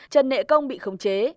trần nệ công bị khống chế